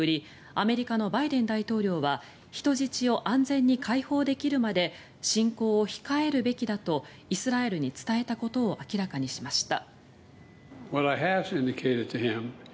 アメリカのバイデン大統領は人質を安全に解放できるまで侵攻を控えるべきだとイスラエルに伝えたことを明らかにしました。